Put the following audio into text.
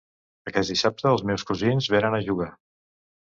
Aquest dissabte els meus cosins venen a jugar